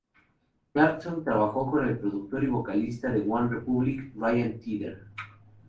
Clarkson trabajó con el productor y vocalista de OneRepublic, Ryan Tedder.